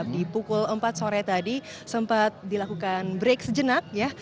di pukul empat sore tadi sempat dilakukan break sejenak ya